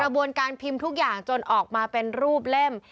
บวนการพิมพ์ทุกอย่างจนออกมาเป็นรูปเล่ม